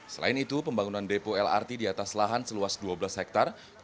selain itu pembangunan depo lrt di atas lahan seluas dua belas hektare